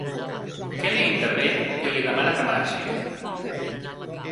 Kelly intervé i li demana que marxi.